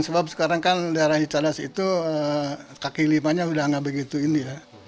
sebab sekarang kan daerah cicadas itu kaki limanya udah gak begitu ini ya